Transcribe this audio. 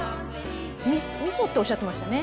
味噌味噌っておっしゃってましたね。